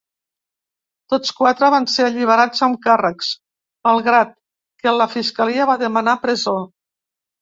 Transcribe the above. Tots quatre van ser alliberats amb càrrecs, malgrat que la fiscalia va demanar presó.